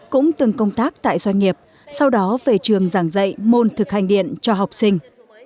cũng từng công tác tại doanh nghiệp sau đó về trường giảng dạy môn thực hành điện cho học sinh